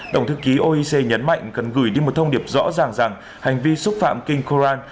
tổng thư ký oec nhấn mạnh cần gửi đi một thông điệp rõ ràng rằng hành vi xúc phạm kinh koran